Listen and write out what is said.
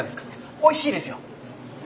おいしいですよ！